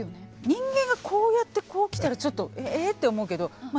人間がこうやってこう来たらちょっと「ええ？」って思うけどま